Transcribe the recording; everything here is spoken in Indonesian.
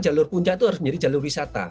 jalur puncak itu harus menjadi jalur wisata